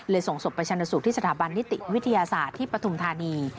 ส่งศพไปชนสูตรที่สถาบันนิติวิทยาศาสตร์ที่ปฐุมธานี